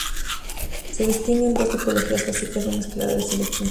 Se distinguen dos tipologías básicas de mezcladores electrónicos.